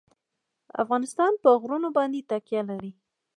افغانستان په غرونه باندې تکیه لري.